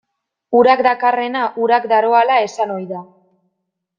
Urak dakarrena urak daroala esan ohi da.